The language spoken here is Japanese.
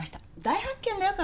大発見だよ